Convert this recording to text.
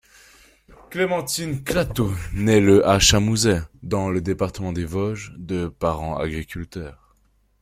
Clémentine Clattaux naît le à Chaumousey, dans le département des Vosges, de parents agriculteurs.